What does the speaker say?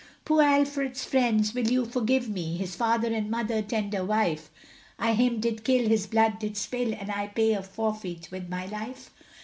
Poor Alfred's friends, will you forgive me, His father, mother, tender wife, I him did kill, his blood did spill, And I pay a forfeit with my life?